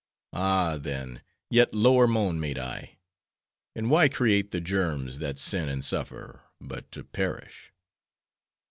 "'Ah, then,' yet lower moan made I; 'and why create the germs that sin and suffer, but to perish?